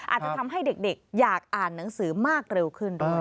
อาจจะทำให้เด็กอยากอ่านหนังสือมากเร็วขึ้นด้วย